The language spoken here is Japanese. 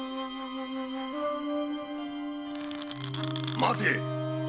待て！